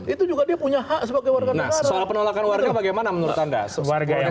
itu juga dia punya hak sebagai warga nasional soal penolakan warga bagaimana menurut anda